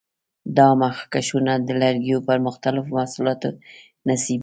دا مخکشونه د لرګیو پر مختلفو محصولاتو نصبېږي.